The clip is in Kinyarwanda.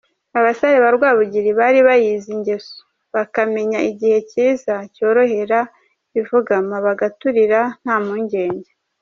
Abasare ba Rwabugili bari bayizi ingeso, bakamenya igihe kiza cyorohera ivugama bagaturira nta mpungenge.